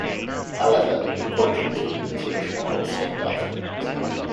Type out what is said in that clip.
However, the Quadrantid meteor shower is named after it.